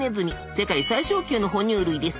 世界最小級のほ乳類です。